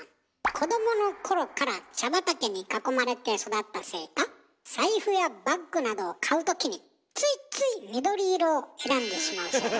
子供の頃から茶畑に囲まれて育ったせいか財布やバッグなどを買う時についつい緑色を選んでしまうそうです。